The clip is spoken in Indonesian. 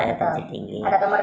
saya tensi tinggi